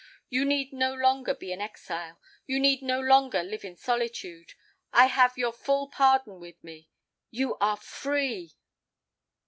You need no longer be an exile, you need no longer live in solitude; I have your full pardon with me. You are free."